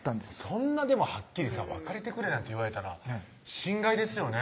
そんなでもはっきりさ「別れてくれ」なんて言われたら心外ですよね